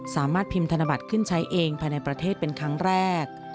สามารถพิมพ์ธนบัตรขึ้นใช้เองภายในประเทศเป็นครั้งแรก